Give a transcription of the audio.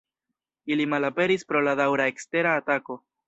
Ili malaperis pro la daŭra ekstera atako.